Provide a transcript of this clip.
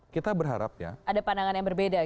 kita berharap ya ada pandangan yang berbeda